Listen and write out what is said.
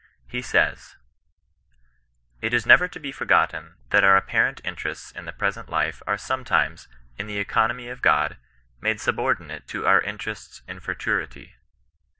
He says: —^ It is never to be forgotten, that our apparent inte rests in the present life are sometimes, in the economy of Ood, made subordinate to our interests in futurity.